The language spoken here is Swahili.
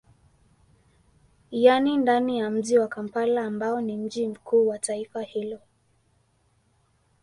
Yani ndani ya mji wa Kampala ambao ni mji mkuu wa taifa hilo